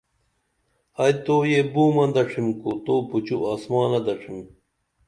ائی تو یہ بُومہ دڇِھم کو تو پُچو آسمانہ دڇِھم